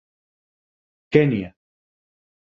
Kenya.